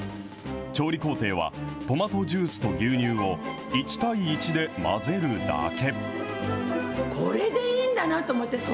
調理工程は、トマトジュースと牛乳を、１対１で混ぜるだけ。